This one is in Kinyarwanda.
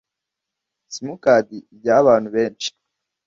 simukadi ijyahabantu benshi.